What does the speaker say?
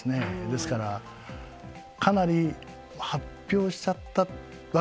ですからかなり発表しちゃったわけですよね。